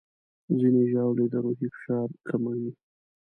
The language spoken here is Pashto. ځینې ژاولې د روحي فشار کموي.